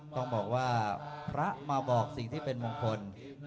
ต้องบอกว่าพระมาบอกสิ่งที่เป็นมงคล